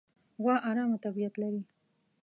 غوا ارامه طبیعت لري.